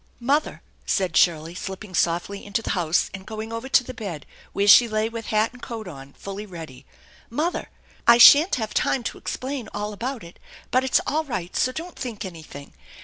" Mother," said Shirley, slipping softly into the house and going over to the bed where she lay with hat and coat on, fully ready. " Mother, I sha'n't have time to explain all about it, but it's all right; so don't think anything.